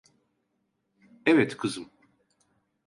Evet, kızım.